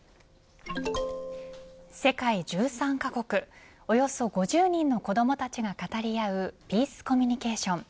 世界１３カ国およそ５０人の子どもたちが語り合うピースコミュニケーション。